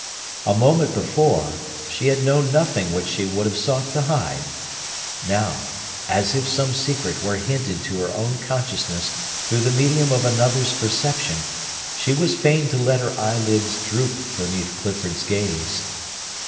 A moment before, she had known nothing which she would have sought to hide. Now, as if some secret were hinted to her own consciousness through the medium of another's perception, she was fain to let her eyelids droop beneath Clifford's gaze.